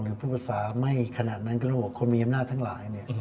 พูดภาษาไม่ขนาดนั้นก็ต้องบอกคนมีอำนาจทั้งหลาย